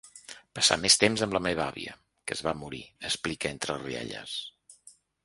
Passar més temps amb la meva àvia… que es va morir, explica entre rialles.